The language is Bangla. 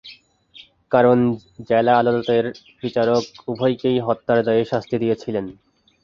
কারণ জেলা আদালতের বিচারক উভয়কেই হত্যার দায়ে শাস্তি দিয়েছিলেন।